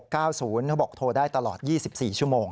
เขาบอกโทรได้ตลอด๒๔ชั่วโมง